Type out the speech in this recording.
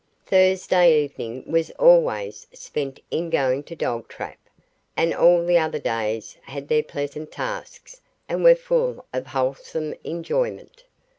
Thursday evening was always spent in going to Dogtrap, and all the other days had their pleasant tasks and were full of wholesome enjoyment.